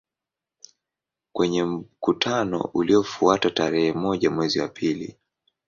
Kwenye mkutano uliofuata tarehe moja mwezi wa pili